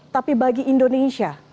tapi bagi indonesia